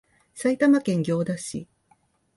埼玉県行田市